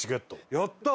やったー！